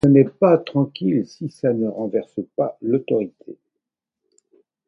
Ça n'est pas tranquille si ça ne renverse pas l'autorité.